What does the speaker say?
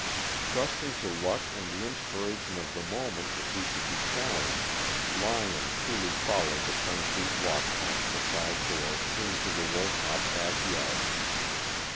Trusting to luck and the inspiration of the moment if he should be challenged, Lyon coolly followed the concrete walk past the side door into the Wolcott back yard.